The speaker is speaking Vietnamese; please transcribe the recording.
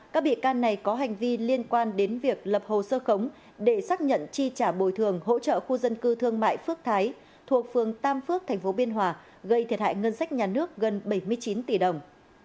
các bị can bị đề nghị truy tố một mươi ba cán bộ nguyên là lãnh đạo cán bộ thuộc các sở ngành địa phương đã tiếp tục gây thiệt hại cho nhà nước gần bảy mươi chín tỷ đồng